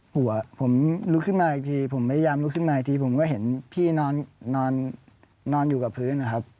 หัวผมลุกขึ้นมาอีกทีผมพยายามลุกขึ้นมาอีกทีผมก็เห็นพี่นอนอยู่กับพื้นนะครับ